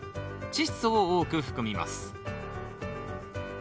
チッ素を多く含みます。